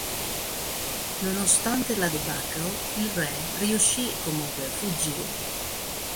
Nonostante la debacle, il Re riuscì comunque a fuggire.